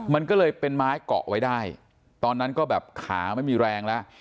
มันก็เลยเป็นไม้เกาะไว้ได้ตอนนั้นก็แบบขาไม่มีแรงแล้ว